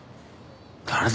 誰だ？